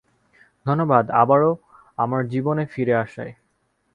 ধন্যবাদ, আবারো আমার জীবনে ফিরে আসায়।